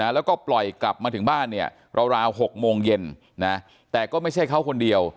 แล้วก็ปล่อยกลับมาถึงบ้านเนี่ยราว๖โมงเย็นแต่ก็ไม่ใช่เขาคนเดียว